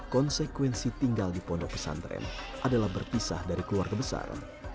konsekuensi tinggal di pondok pesantren adalah berpisah dari keluarga besar